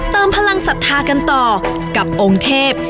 เติมพลังศรัทธากันต่อกับองค์เทพ